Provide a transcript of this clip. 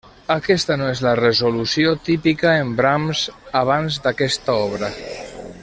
Aquesta no és la resolució típica en Brahms abans d'aquesta obra.